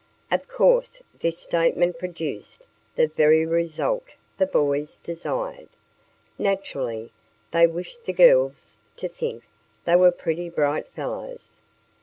Of course this statement produced the very result the boys desired. Naturally they wished the girls to think they were pretty bright fellows.